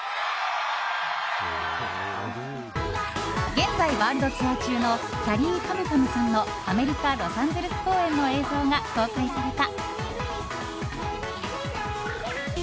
現在ワールドツアー中のきゃりーぱみゅぱみゅさんのアメリカ・ロサンゼルス公演の映像が公開された。